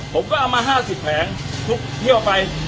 ผมก็เอามา๕๐แผงทุกเที่ยวไป